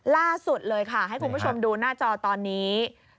ล่าสุดเลยค่ะให้คุณผู้ชมดูหน้าจอตอนนี้